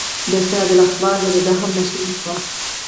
د سراج الاخبار جریده هم نشر شوه.